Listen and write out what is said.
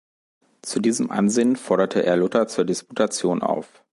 Zu diesem Ansinnen forderte er Luther zur Disputation auf.